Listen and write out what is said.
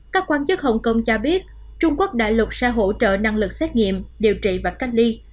các quan chức hồng kông cho biết trung quốc đại lục sẽ hỗ trợ năng lực xét nghiệm điều trị và cách ly